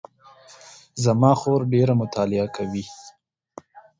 زما خور ډېره مطالعه کوي